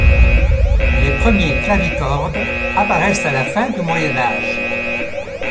Les premiers clavicordes apparaissent à la fin du Moyen Âge.